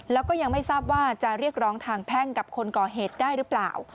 แล้วก็ยังไม่ทราบว่าจะเรียกร้องทางแพ่งกับคนก่อเหตุได้หรือเปล่า